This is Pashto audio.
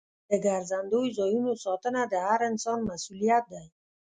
د ګرځندوی ځایونو ساتنه د هر انسان مسؤلیت دی.